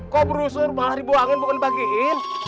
kok berusur malah dibuangin bukan dibagiin